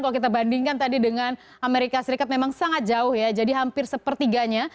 kalau kita bandingkan tadi dengan amerika serikat memang sangat jauh ya jadi hampir sepertiganya